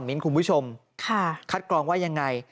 มิ้นคุณผู้ชมคัดกรองว่ายังไง